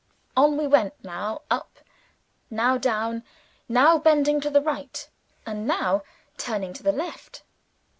On we went; now up, now down; now bending to the right, and now turning to the left.